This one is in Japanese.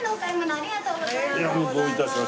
ありがとうございます。